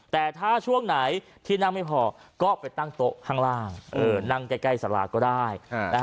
แต่ถ้าช่วงไหนที่นั่งไม่พอก็ไปตั้งโต๊ะข้างล่างนั่งใกล้สาราก็ได้